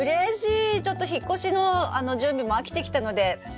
ちょっと引っ越しの準備も飽きてきたのでタカさんと最後の。